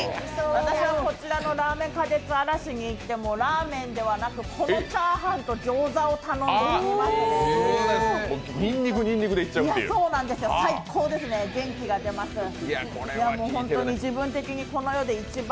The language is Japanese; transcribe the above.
私はこちらのらあめん花月嵐に行ってもラーメンではなく、このチャーハンとギョーザを頼んで食べますね。